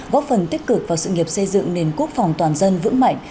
góp phần tích cực vào sự nghiệp xây dựng nền quốc phòng toàn dân vững mạnh